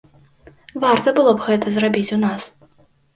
Варта было б гэта зрабіць у нас.